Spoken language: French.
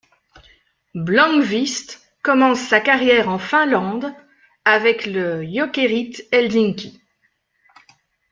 Blomqvist commence sa carrière en Finlande avec le Jokerit Helsinki.